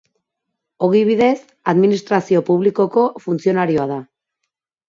Ogibidez, Administrazio Publikoko funtzionarioa da.